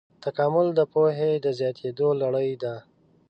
تکامل د پوهې د زیاتېدو لړۍ ده.